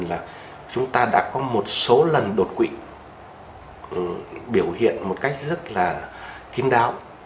là chúng ta đã có một số lần đột quỵ biểu hiện một cách rất là kín đáo